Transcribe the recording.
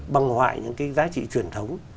băng hoại những giá trị truyền thống